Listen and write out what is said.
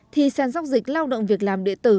thì sàn sóc dịch lao động việc làm địa tử